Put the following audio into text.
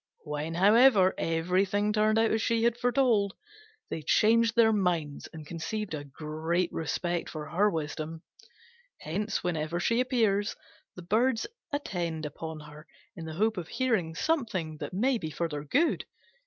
When, however, everything turned out as she had foretold, they changed their minds and conceived a great respect for her wisdom. Hence, whenever she appears, the Birds attend upon her in the hope of hearing something that may be for their good.